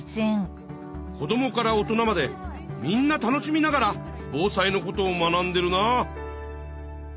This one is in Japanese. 子どもから大人までみんな楽しみながら防災のことを学んでるなあ！